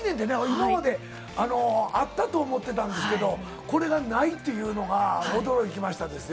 今まであったと思ってたんだけど、これがないというのが驚きましたですよ。